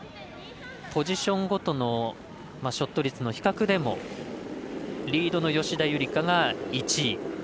ポジションごとのショット率の比較でもリードの吉田夕梨花が１位。